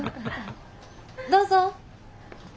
どうぞ。